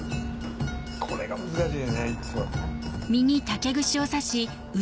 これが難しいねいっつも。